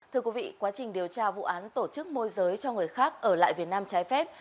thưa quý vị quá trình điều tra vụ án tổ chức môi giới cho người khác ở lại việt nam trái phép